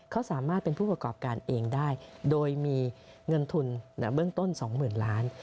เขาสามารถเป็นผู้ประกอบการเองได้โดยมีเงินทุนเบื้องต้น๒๐๐๐ล้าน